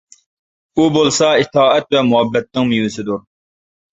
ئۇ بولسا ئىتائەت ۋە مۇھەببەتنىڭ مېۋىسىدۇر.